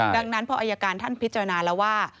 ดังนั้นพออายการท่านพิจารณาแล้วว่า